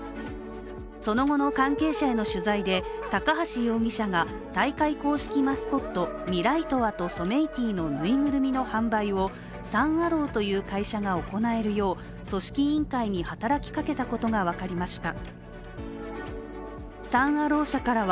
その後の関係者への取材で、高橋容疑者が大会公式マスコットミライトワとソメイティのぬいぐるみの販売をサン・アローという会社が行えるよう組織委員会に働きかけたことが分かりました。